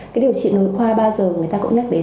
cái điều trị nội khoa bao giờ người ta cũng nhắc đến